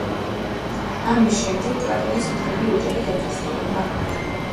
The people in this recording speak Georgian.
ამის შემდეგ კრატონის მთელი ოჯახი გაქრისტიანდა.